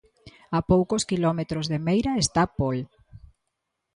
A poucos quilómetros de Meira está Pol.